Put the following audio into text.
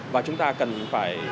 và chúng ta cần phải